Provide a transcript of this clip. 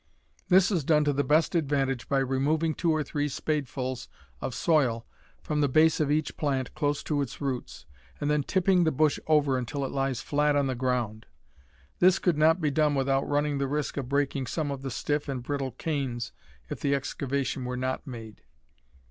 This is done to the best advantage by removing two or three spadefuls of soil from the base of each plant, close to its roots, and then tipping the bush over until it lies flat on the ground. This could not be done without running the risk of breaking some of the stiff and brittle canes if the excavation were not made.